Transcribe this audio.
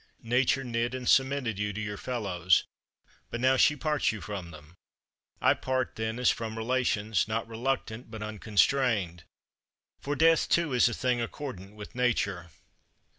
Nature knit and cemented you to your fellows, but now she parts you from them. I part, then, as from relations, not reluctant, but unconstrained. For death, too, is a thing accordant with nature.